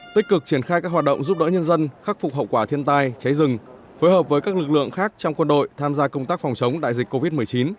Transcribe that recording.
tích cực triển khai các hoạt động giúp đỡ nhân dân khắc phục hậu quả thiên tai cháy rừng phối hợp với các lực lượng khác trong quân đội tham gia công tác phòng chống đại dịch covid một mươi chín